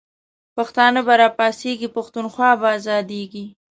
پښتانه به را پاڅیږی، پښتونخوا به آزادیږی